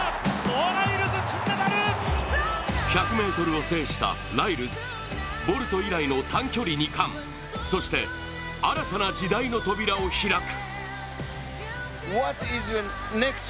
１００ｍを制したライルズボルト以来の短距離２冠、そして、新たな時代の扉を開く。